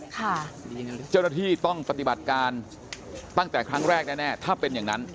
เจ้าหน้าที่ต้องปฏิบัติการตั้งแต่ครั้งแรกแน่ถ้าเป็นอย่างนั้น